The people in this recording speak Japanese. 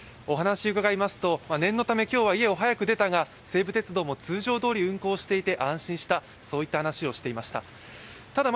お話、伺いますと念のため今日は家を早く出たが西武鉄道も通常どおり運行していて安心した、そういった話をしていました。